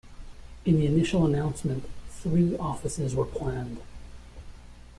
In the initial announcement, three offices were planned.